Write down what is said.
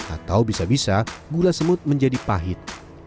atau bisa bisa gula semut menjadi pahit